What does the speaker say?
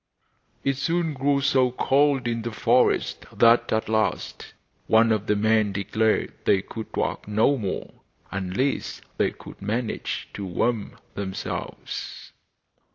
It soon grew so cold in the forest that at last one of the men declared they could walk no more, unless they could manage to warm themselves.